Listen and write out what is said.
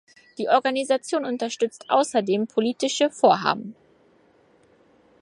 Die Organisation unterstützt außerdem politische Vorhaben.